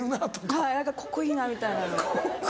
はい何かここいいなみたいなの。